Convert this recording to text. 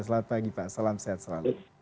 selamat pagi pak salam sehat selalu